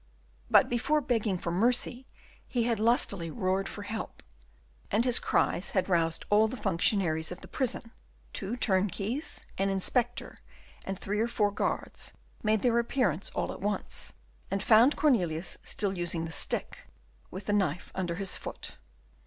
But before begging for mercy, he had lustily roared for help, and his cries had roused all the functionaries of the prison. Two turnkeys, an inspector, and three or four guards, made their appearance all at once, and found Cornelius still using the stick, with the knife under his foot.